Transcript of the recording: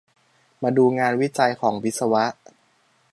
มาดูงานวิจัยของวิศวะ